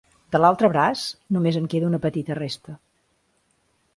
De l'altre braç, només en queda una petita resta.